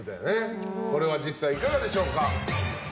これは実際いかがでしょうか？